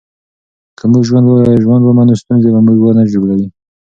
که موږ ژوند ومنو، ستونزې به موږ ونه ژوبلوي.